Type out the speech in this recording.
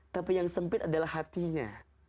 tapi yang sempit adalah hatinya